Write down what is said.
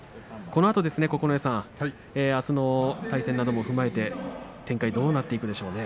このあと、あすの対戦なども踏まえて展開どうなっていくでしょうね。